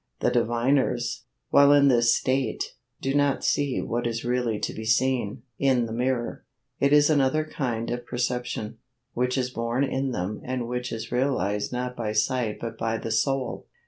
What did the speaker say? The diviners, while in this state, do not see what is really to be seen (in the mirror); it is another kind of perception, which is born in them and which is realized not by sight but by the soul.